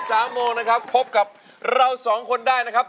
สามโมงนะครับพบกับเราสองคนได้นะครับ